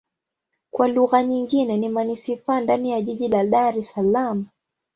Kwa lugha nyingine ni manisipaa ndani ya jiji la Dar Es Salaam.